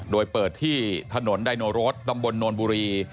โดยเปิดที่ถนนไดโนรสตำบลโนนบุรี